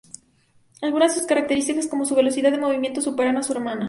Algunas de sus características, como su velocidad de movimiento, superan a su hermana.